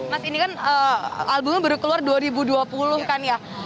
mas ini kan album baru keluar dua ribu dua puluh kan ya